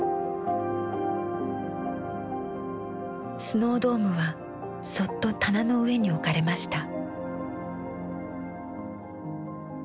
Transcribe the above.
スノードームはそっと棚の上に置かれました。